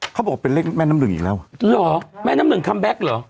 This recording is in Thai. เขาบอกเป็นเลขแม่น้ำหนึ่งอีกแล้วเหรอแม่น้ำหนึ่งคัมแก๊กเหรอ